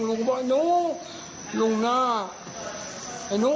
ลุงบอกลุงนะ